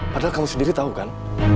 padahal kamu sendiri tahu kan